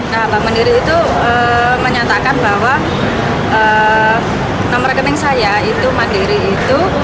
nah bank mandiri itu menyatakan bahwa nomor rekening saya itu mandiri itu